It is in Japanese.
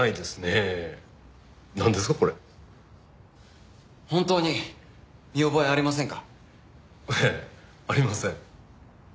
ええありません。